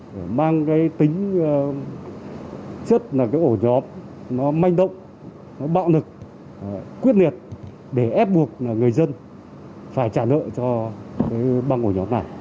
để mang tính chất ổ nhóm manh động bạo lực quyết liệt để ép buộc người dân phải trả nợ cho băng ổ nhóm này